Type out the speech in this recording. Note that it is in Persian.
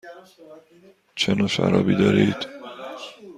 چه نوع شرابی دارید؟